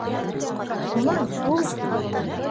— Сунан сул.